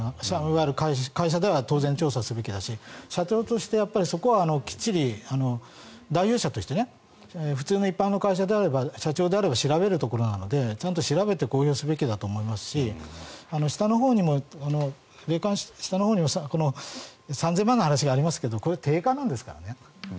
会社では当然調査すべきだし社長としてそこはきっちり代表者として普通の一般の会社であれば社長であれば調べるところなのでちゃんと調べて公表すべきだと思いますし下のほうにも３０００万円の話がありますがこれ、定価なんですからね。